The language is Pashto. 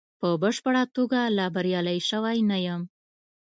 په بشپړه توګه لا بریالی شوی نه یم.